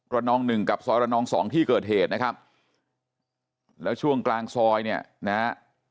นองหนึ่งกับซอยระนองสองที่เกิดเหตุนะครับแล้วช่วงกลางซอยเนี่ยนะฮะ